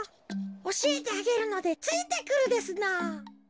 おしえてあげるのでついてくるですのぉ。